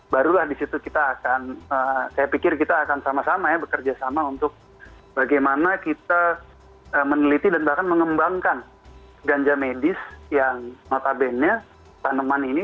barulah di situ kita akan saya pikir kita akan sama sama ya bekerja sama untuk bagaimana kita meneliti dan bahkan mengembangkan ganja medis yang notabene tanaman ini